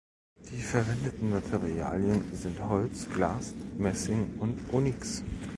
Die verwendeten Materialien sind Holz, Glas, Messing und Onyx.